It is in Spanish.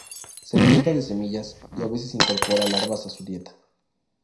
Se alimenta de semillas y a veces incorpora larvas a su dieta.